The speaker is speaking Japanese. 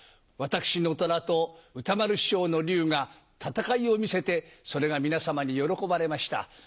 私の虎と歌丸師匠の竜が戦いを見せてそれが皆様に喜ばれました。